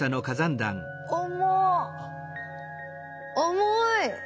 重い！